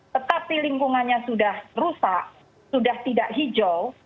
tetapi lingkungannya sudah rusak sudah tidak hijau